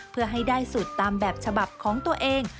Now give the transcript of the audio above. เพื่อให้ได้สูตรตามแบบฉบับของตัวเอง